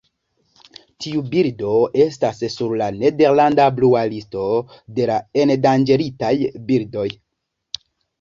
Tiu birdo estas sur la "Nederlanda Blua Listo" de la endanĝeritaj birdoj.